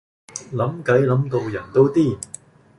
諗計諗到人都癲